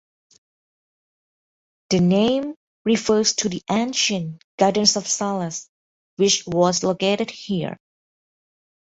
The name refers to the ancient Gardens of Sallust which was located here.